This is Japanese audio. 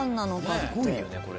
すごいよねこれ。